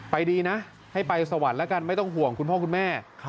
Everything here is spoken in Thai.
ดีนะให้ไปสวรรค์แล้วกันไม่ต้องห่วงคุณพ่อคุณแม่